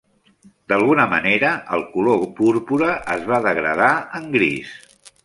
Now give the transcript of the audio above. D'alguna manera, el color púrpura es va degradar en gris.